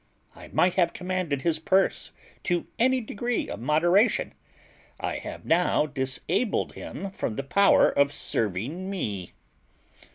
I might have commanded his purse to any degree of moderation: I have now disabled him from the power of serving me.